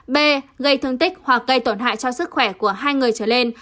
b gây thương tích hoặc gây tổn hại cho sức khỏe của hai người trở lên